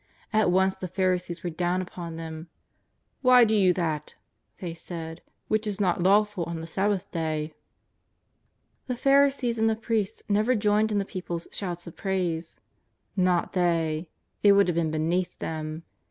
At once the Pharisees were down upon them: " Why do you that,'' they said " which is not lawful on the Sabbath day ?" The Pharisees and the priests never joined in the people's shouts of praise, ^ot they; it would have been beneath them.